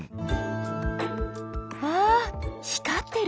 わあ光ってる！